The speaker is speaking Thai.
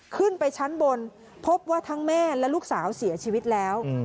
ขึ้นไปชั้นบนพบว่าทั้งแม่และลูกสาวเสียชีวิตแล้ว